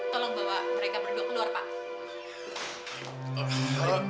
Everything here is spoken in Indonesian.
tolong bawa mereka berdua keluar pak